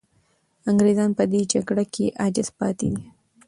انګریزان په دې جګړه کې عاجز پاتې دي.